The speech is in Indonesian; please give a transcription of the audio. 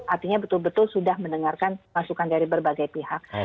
artinya betul betul sudah mendengarkan masukan dari berbagai pihak